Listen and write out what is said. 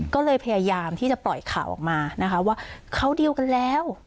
ก็เลยพยายามที่จะปล่อยข่าวออกมานะคะว่าเขาดีลกันแล้ว